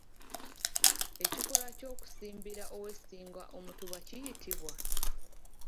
Ekikolwa ky'okusimbira owessinga omutuba kiyitibwa?